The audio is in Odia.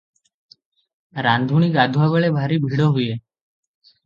ରାନ୍ଧୁଣୀ ଗାଧୁଆ ବେଳେ ଭାରି ଭିଡ଼ ହୁଏ ।